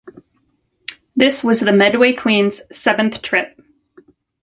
This was the "Medway Queen"'s seventh trip.